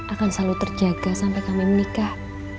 akan selalu terjaga sampai kami menikah